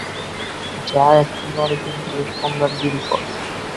যা, এখন নরকে গিয়ে সম্রাটগিরী কর!